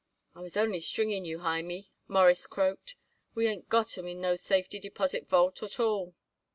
"I was only stringing you, Hymie," Morris croaked. "We ain't got 'em in no safety deposit vault at all."